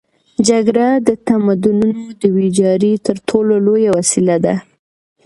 جګړه د تمدنونو د ویجاړۍ تر ټولو لویه وسیله ده.